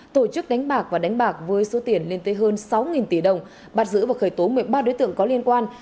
tổ chức đánh bạc và đánh bạc với số tiền lên tới hơn sáu tỷ đồng bạc giữ và khởi tố một mươi ba đối tượng có liên quan